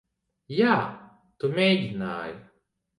Jā, tu mēģināji.